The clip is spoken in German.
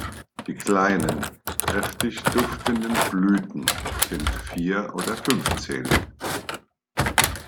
Die kleinen, kräftig duftenden Blüten sind vier- oder fünfzählig.